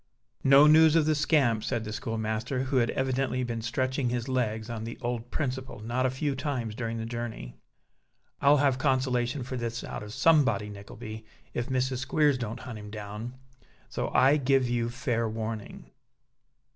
"No news of the scamp!" said the schoolmaster, who had evidently been stretching his legs, on the old principle, not a few times during the journey. "I'll have consolation for this out of somebody, Nickleby, if Mrs. Squeers don't hunt him down. So I give you fair warning."